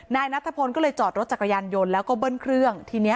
นายนัทพลก็เลยจอดรถจักรยานยนต์แล้วก็เบิ้ลเครื่องทีนี้